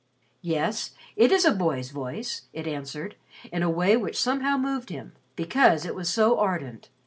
"Yes, it is a boy's voice," it answered, in a way which somehow moved him, because it was so ardent.